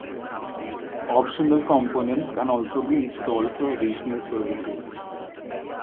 Optional components can also be installed for additional services.